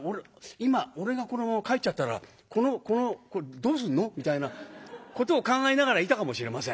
「今俺がこのまま帰っちゃったらこのこのこれどうすんの？」みたいなことを考えながらいたかもしれません。